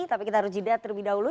tapi kita harus jeda terlebih dahulu